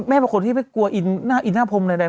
แม่เป็นคนที่ไม่กลัวอินหน้าพมใด